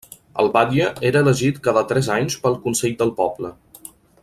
El batlle era elegit cada tres anys pel consell del poble.